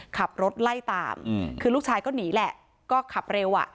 ขับรถไล่ตามคือลูกชายก็หนีแหละก็ขับเร็วอ่ะ